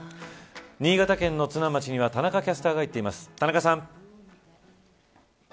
新潟県の津南町には田中キャスターが行っています田中さん。